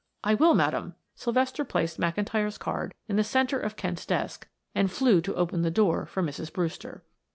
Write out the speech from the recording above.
"I will, madam." Sylvester placed McIntyre's card in the center of Kent's desk and flew to open the door for Mrs. Brewster.